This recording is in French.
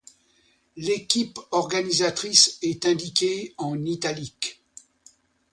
L'équipe organisatrice est indiquée en italiques.